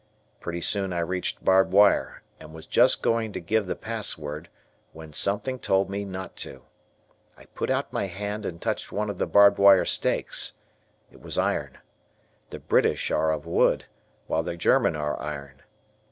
Pretty soon I reached barbed wire, and was just going to give the password, when something told me not to. I put out my hand and touched one of the barbed wire stakes. It was iron. The British are of wood, while the German are iron.